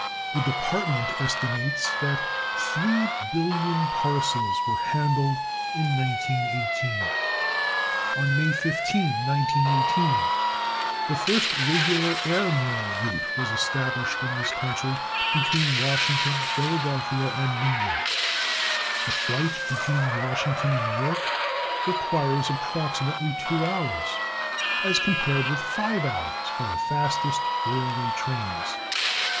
The Department estimates that 3,000,000,000 parcels were handled in 1918. On May 15, 1918, the first regular air mail route was established in this country between Washington, Philadelphia and New York. The flight between Washington and New York requires approximately two hours, as compared with five hours by the fastest railway trains.